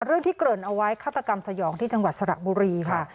เรื่องที่เกริ่นเอาไว้ฆาตกรรมสยองที่จังหวัดสระบุรีค่ะ